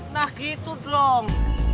nah gitu dong